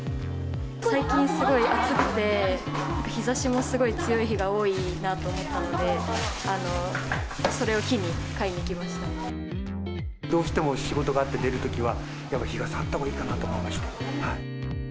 最近すごい暑くて、日ざしもすごい強い日が多いなと思ったので、どうしても仕事があって出るときは、やっぱり日傘あったほうがいいかなと思いまして。